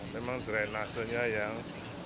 memang drainasenya yang